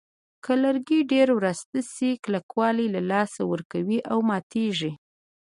که لرګي ډېر وراسته شي کلکوالی له لاسه ورکوي او ماتېږي.